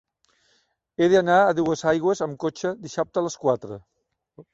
He d'anar a Duesaigües amb cotxe dissabte a les quatre.